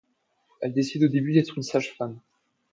Elle décide au début d'être une sage-femme.